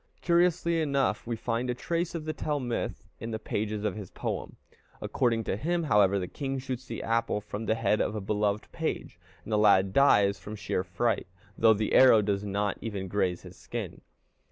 Curiously enough, we find a trace of the Tell myth in the pages of his poem. According to him, however, the king shoots the apple from the head of a beloved page, and the lad dies from sheer fright, though the arrow does not even graze his skin.